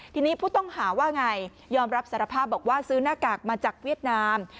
ทีนี้ผู้ต้องหาว่าไงยอมรับสารภาพบอกว่าซื้อหน้ากากมาจากเวียดนาม